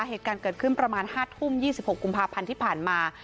เหตุการณ์เกิดขึ้นประมาณ๕ทุ่ม๒๖กุมภาพันธ์ที่ผ่านมา